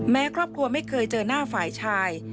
ครอบครัวไม่เคยเจอหน้าฝ่ายชาย